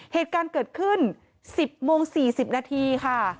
เหตุการณ์เกิดขึ้น๑๐โมง๔๐นาทีค่ะ